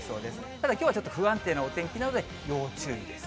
ただきょうはちょっと不安定なお天気なので要注意です。